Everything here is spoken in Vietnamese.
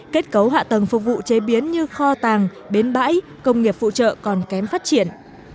kết cấu hạ tầng phục vụ chế biến như kho tàng bến bãi công nghiệp phụ trợ còn kém phát triển